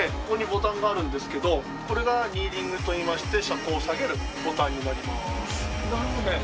ここにボタンがあるんですけど、これがニーリングといいまして、車高を下げるボタンになります。